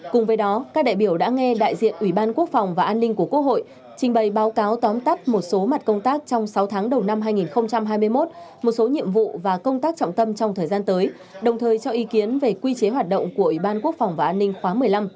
cùng với đó các đại biểu đã nghe đại diện ủy ban quốc phòng và an ninh của quốc hội trình bày báo cáo tóm tắt một số mặt công tác trong sáu tháng đầu năm hai nghìn hai mươi một một số nhiệm vụ và công tác trọng tâm trong thời gian tới đồng thời cho ý kiến về quy chế hoạt động của ủy ban quốc phòng và an ninh khóa một mươi năm